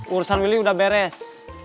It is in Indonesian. urusan willy udah beres